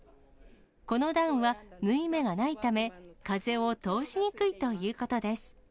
このダウンは、縫い目がないため、風を通しにくいということです。